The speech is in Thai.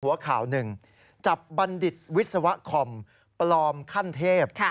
หัวข่าวหนึ่งจับบัณฑิตวิศวะคอมปลอมขั้นเทพ